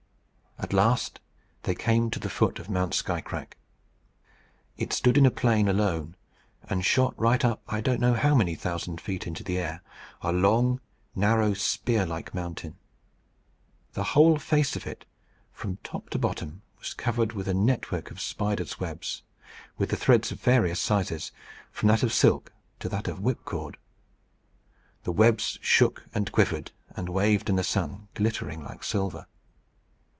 At last they came to the foot of Mount Skycrack. It stood in a plain alone, and shot right up, I don't know how many thousand feet, into the air, a long, narrow, spearlike mountain. The whole face of it, from top to bottom, was covered with a network of spiders' webs, with threads of various sizes, from that of silk to that of whipcord. The webs shook and quivered, and waved in the sun, glittering like silver.